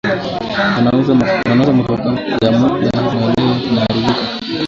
Anauza motoka ya mupya na leo inaaribika